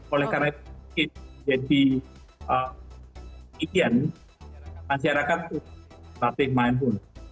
oleh karena itu jadi kebijakan masyarakat untuk melatih mindfulness